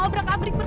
ada apa ini